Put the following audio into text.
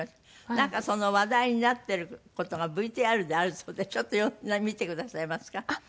なんか話題になってる事がＶＴＲであるそうでちょっと見てくださいますか？